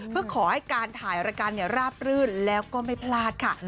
เพื่อขอให้การถ่ายรายการราบรื่นแล้วก็ไม่พลาดค่ะ